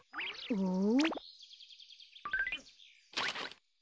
うん。